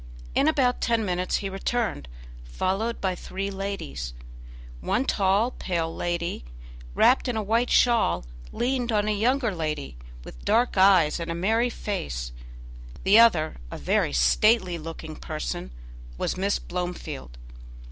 In about ten minutes he returned, followed by three ladies; one tall, pale lady, wrapped in a white shawl, leaned on a younger lady, with dark eyes and a merry face; the other, a very stately looking person, was Miss Blomefield.